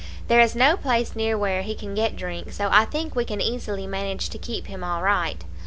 There is no place near where he can get drink, so I think we can easily manage to keep him all right.